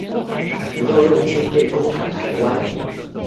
不要用軍隊攻打台灣